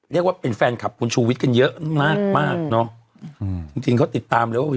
เรียกว่าเป็นแฟนคลับคุณชูวิทย์กันเยอะมากมากเนอะอืมจริงจริงเขาติดตามเลยว่า